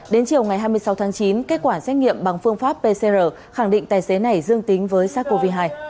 đến chiều ngày hai mươi sáu tháng chín kết quả xét nghiệm bằng phương pháp pcr khẳng định tài xế này dương tính với sars cov hai